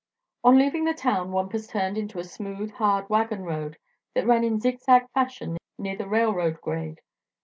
On leaving the town Wampus turned into a smooth, hard wagon road that ran in zigzag fashion near the railroad grade.